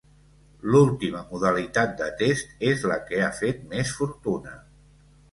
L'última modalitat de test és la que ha fet més fortuna.